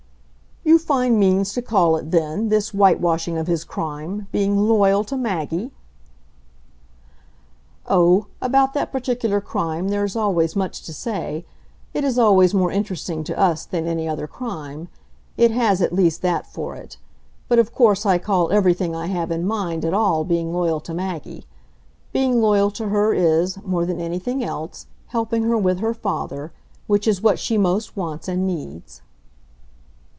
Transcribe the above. "You find means to call it then, this whitewashing of his crime, being 'loyal' to Maggie?" "Oh, about that particular crime there is always much to say. It is always more interesting to us than any other crime; it has at least that for it. But of course I call everything I have in mind at all being loyal to Maggie. Being loyal to her is, more than anything else, helping her with her father which is what she most wants and needs."